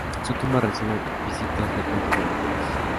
Su tumba recibe visitas frecuentes de mujeres.